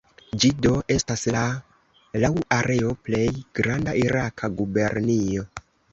Ĝi do estas la laŭ areo plej granda iraka gubernio.